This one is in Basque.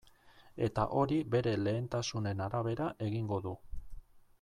Eta hori bere lehentasunen arabera egingo du.